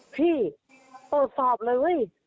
อุพี่โตดสอบเลยเว้ย